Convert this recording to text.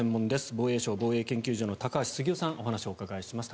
防衛省防衛研究所の高橋杉雄さんにお話をお伺いします。